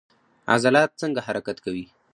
عضلات څنګه حرکت کوي؟